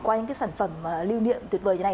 qua những sản phẩm lưu niệm tuyệt vời như này